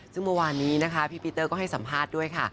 ซึ่งเมื่อวานนี้นะคะพี่ปีเตอร์ก็ให้สัมภาษณ์ด้วยค่ะ